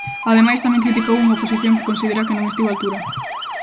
Ademais, tamén criticou unha oposición que considera que non estivo á altura.